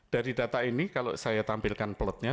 dari data ini kalau saya tampilkan platnya